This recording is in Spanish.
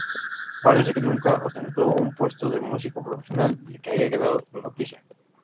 Parece que nunca ostentó un puesto de músico profesional del que haya quedado noticia.